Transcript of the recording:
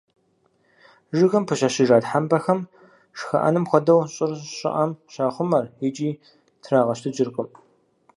Жыгым пыщэщыжа тхьэмпэхэм, шхыӀэным хуэдэу, щӏыр щӏыӏэм щахъумэр, икӏи трагъэщтыкӀыркъым.